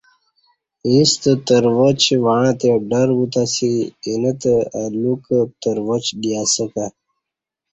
ہیݩستہ ترواچ وعݩتے دی ڈر بوتہ اسی اینہ تہ اہ لوکہ ترواچ دی اسہ کہ